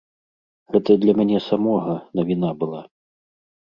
Гэта для мяне самога навіна была.